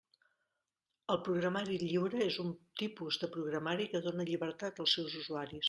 El programari lliure és un tipus de programari que dóna llibertat als seus usuaris.